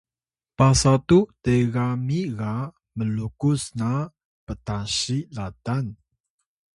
pasatu tegami ga mlukus na mtasi latan